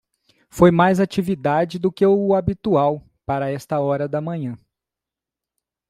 Foi mais atividade do que o habitual para esta hora da manhã.